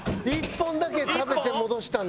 「１本だけ食べて戻したんだ」